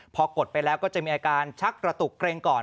พอกดไปแล้วก็จะมีอาการชักกระตุกเกรงก่อน